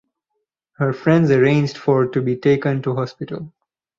Her friends arranged for to be taken to hospital.